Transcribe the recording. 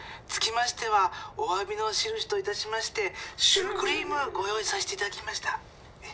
つきましてはおわびのしるしといたしましてシュークリームご用いさせていただきました。